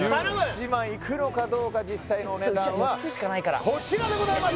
１１万いくのかどうか実際のお値段はこちらでございます